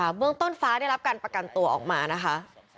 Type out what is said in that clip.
เบื้องต้นฟ้าได้รับการประกันตัวออกมานะคะ